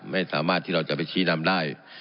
ไม่สามารถที่เราจะไปชี้นำได้